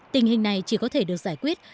tình hình này chỉ có thể được giải quyết